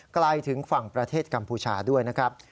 ไกลถึงฝั่งประเทศกัมพูชาด้วยนะครับ